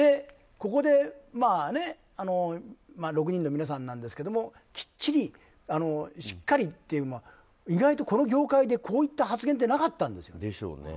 ここで、６人の皆さんですがきっちりしっかりというのは意外とこの業界でこういった発言ってなかったんですよ。